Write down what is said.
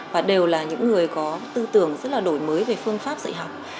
và đều là những người có tư tưởng rất là đổi mới về phương pháp dạy học